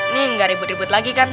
nih gak ribet ribet lagi kan